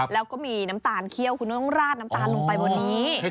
แล้วก็มีน้ำตาลเขี้ยวคุณต้องราดน้ำตาลลงไปบนนี้